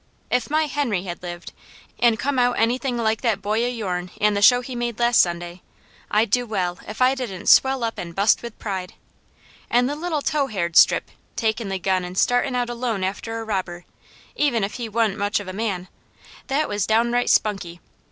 If my Henry had lived, an' come out anything like that boy o' yourn an' the show he made last Sunday, I'd do well if I didn't swell up an' bust with pride. An' the little tow haired strip, takin' the gun an' startin' out alone after a robber, even if he wa'n't much of a man, that was downright spunky.